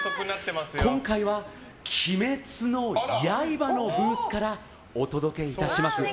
今回は「鬼滅の刃」のブースからお届けいたします。